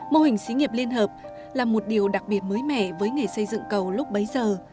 mô hình xí nghiệp liên hợp là một điều đặc biệt mới mẻ với nghề xây dựng cầu lúc bấy giờ